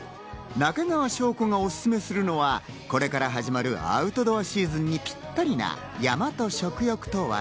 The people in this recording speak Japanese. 中川翔子がおすすめするのはこれから始まるアウトドアシーズンにぴったりな『山と食欲と私』。